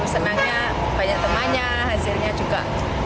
senangnya banyak temannya hasilnya juga